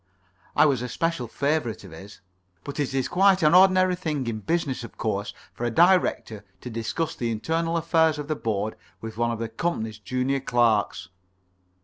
I was a special favourite of his. But it is quite an ordinary thing in business, of course, for a Director to discuss the internal affairs of the Board with one of the Company's junior clerks.